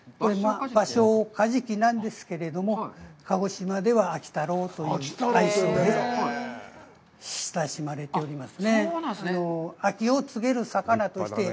バショウカジキなんですけれども、鹿児島では秋太郎という愛称で親しまれております。